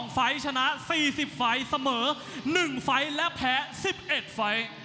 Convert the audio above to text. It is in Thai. ไฟล์ชนะ๔๐ไฟล์เสมอ๑ไฟล์และแพ้๑๑ไฟล์